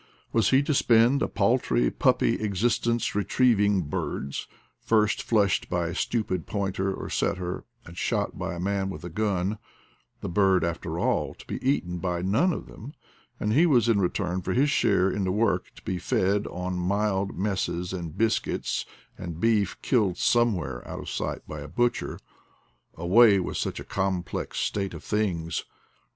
Was he to spend a paltry puppy existence retrieving birds, first flushed by a stupid pointer or setter, and shot by a man with a gun — the bird, /after all, to be eaten by none of them; and he, in return for his share in the work, to bg fed on mild messes and biscuits, and beef, killed somewhere out of sight by a butcher? Away with such a complex state of things